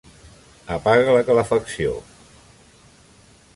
Apaga la calefacció.